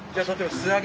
素揚げ。